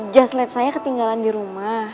just lab saya ketinggalan di rumah